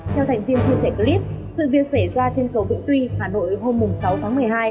theo thành tiêu chia sẻ clip sự việc xảy ra trên cầu vĩnh tuy hà nội hôm sáu tháng một mươi hai